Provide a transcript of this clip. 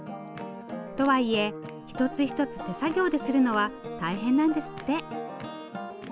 とはいえ一つ一つ手作業でするのは大変なんですって。